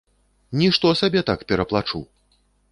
Нішто сабе так пераплачу!